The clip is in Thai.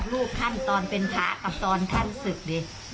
เกี่ยวรูปท่านตอนเป็นพระกับสอนท่านศึกดิ